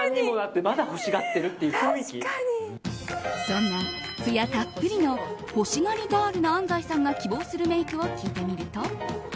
そんな、つやたっぷりの欲しがりガールな安西さんが希望するメイクを聞いてみると。